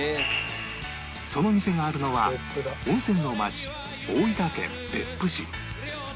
その店があるのは温泉の街大分県別府市